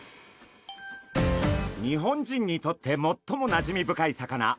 日本人にとってもっともなじみ深い魚マダイ。